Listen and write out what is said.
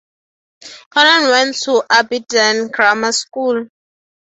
Connon went to Aberdeen Grammar School.